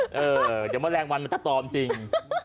เดี๋ยวมะแรงวันมันตอมจริง